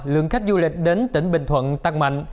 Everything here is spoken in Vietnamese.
lượng khách du lịch đến tỉnh bình thuận tăng mạnh